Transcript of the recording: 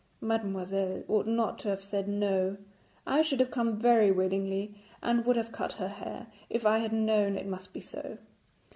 'Mademoiselle ought not to have said "no"; I should have come very willingly and would have cut her hair, if I had known it must be so.'